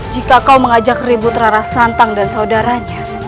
jika kau mengajak ribut rara santang dan saudaranya